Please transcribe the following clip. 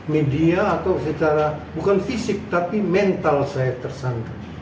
media atau secara bukan fisik tapi mental saya tersangka